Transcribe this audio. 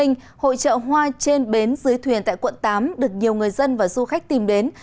hội trợ hoa trên bến dưới thuyền tại quận tám được nhiều người dân và du khách tìm đến